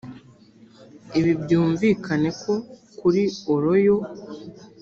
Ibi byumvikane ko kuri Oloyo